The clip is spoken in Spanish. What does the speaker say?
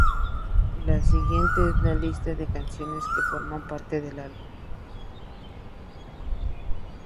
La siguiente es la lista de canciones que forman parte del álbum.